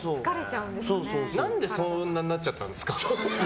何でそんなになっちゃったんですか？